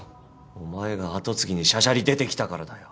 お前が跡継ぎにしゃしゃり出てきたからだよ。